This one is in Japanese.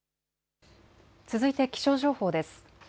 続いて気象情報です。